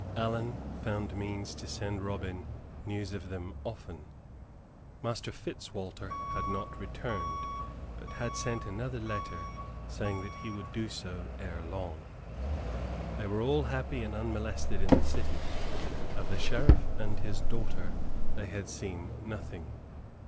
Allan found means to send Robin news of them often: Master Fitzwalter had not returned; but had sent another letter saying that he would do so ere long. They all were happy and unmolested in the city. Of the Sheriff and his daughter they had seen nothing.